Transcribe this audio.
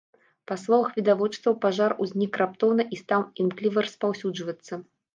Па словах відавочцаў, пажар узнік раптоўна і стаў імкліва распаўсюджвацца.